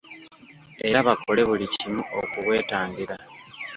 Era bakole buli kimu okubwetangira.